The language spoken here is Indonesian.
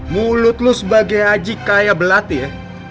mulut lo sebagai ajik kaya belati ya